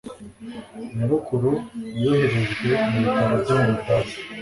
Nyogokuru yoherejwe mu bitaro byo mu Budage.